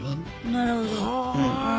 なるほど。